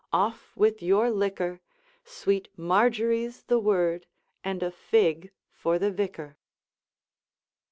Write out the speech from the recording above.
off with your liquor, Sweet Marjorie 's the word and a fig for the vicar!